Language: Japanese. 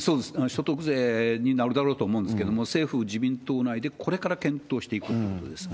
所得税になるだろうと思うんですけれども、政府・自民党内で、これから検討していくってことです。